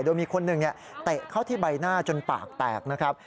โดยมีคนหนึ่งเตะเข้าที่ใบหน้าจนปากแตกนะครับ